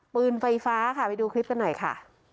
ปืนไฟฟ้าค่ะไปดูคลิปกันหน่อยค่ะ